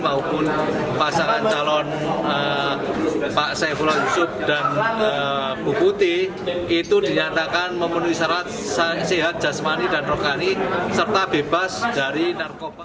maupun pasangan calon pak saifulan sub dan bukuti itu dinyatakan memenuhi syarat sehat jasmani dan rohani serta bebas dari narkoba